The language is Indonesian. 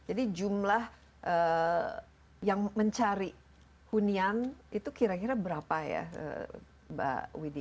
jadi jumlah yang mencari hunian itu kira kira berapa ya mbak widhi